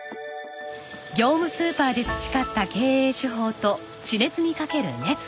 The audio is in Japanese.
業務スーパーで培った経営手法と地熱にかける熱意と信念。